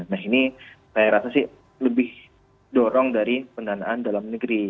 nah ini saya rasa sih lebih dorong dari pendanaan